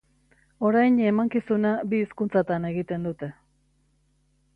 Orain emankizuna bi hizkuntzatan egiten dute.